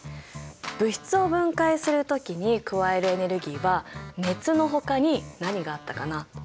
物質を分解する時に加えるエネルギーは熱のほかに何があったかな？